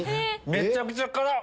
めちゃくちゃ辛い！